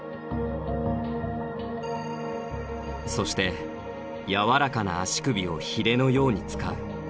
そして柔らかな足首をヒレのように使う。